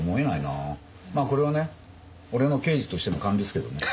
まあこれはね俺の刑事としての勘ですけどね。